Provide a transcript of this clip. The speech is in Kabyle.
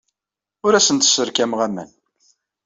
Ur asen-d-sserkameɣ aman.